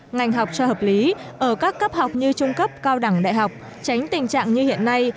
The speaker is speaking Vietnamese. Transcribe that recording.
ngành học cho hợp lý ở các cấp học như trung cấp cao đẳng đại học tránh tình trạng như hiện nay